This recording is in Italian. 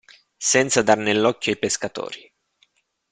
Senza dar nell'occhio ai pescatori.